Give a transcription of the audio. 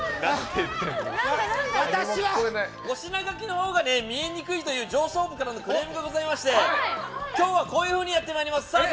お品書きのほうが見えにくいという上層部からのクレームがございまして今日はこういうふうにやってまいります。